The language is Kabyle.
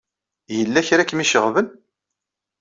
Yella kra ay kem-iceɣben?